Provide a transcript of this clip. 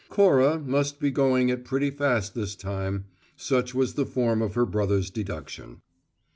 Cora must be going it pretty fast this time: such was the form of her brother's deduction.